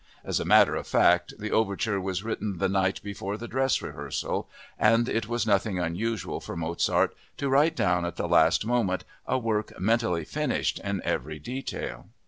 As a matter of fact, the overture was written the night before the dress rehearsal—and it was nothing unusual for Mozart to write down at the last moment a work mentally finished in every detail.